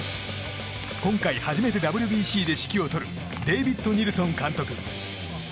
今回初めてＷＢＣで指揮を執るデービッド・ニルソン監督。